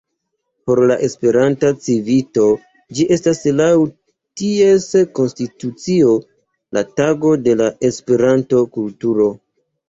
Por la Esperanta Civito ĝi estas laŭ ties konstitucio la Tago de la Esperanto-kulturo.